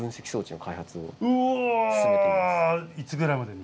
うおいつぐらいまでに？